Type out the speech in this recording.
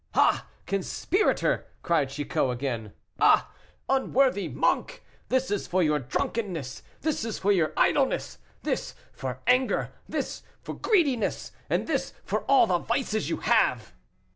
"Ah! conspirator!" cried Chicot again; "ah! unworthy monk, this is for your drunkenness, this for idleness, this for anger, this for greediness, and this for all the vices you have."